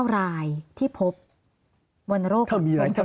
๓๙รายที่พบวรรณโรคหลังพรงจมูก